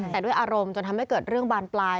แต่ด้วยอารมณ์จนทำให้เกิดเรื่องบานปลาย